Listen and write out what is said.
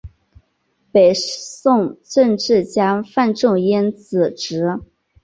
北宋政治家范仲淹子侄。